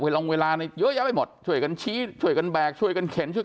ลองเวลาเยอะแยะไปหมดช่วยกันชี้ช่วยกันแบกช่วยกันเข็นช่วย